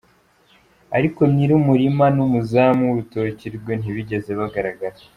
Ariko nyir’umurima n’umuzamu w’urutoki rwe ntibigeze bagaragara.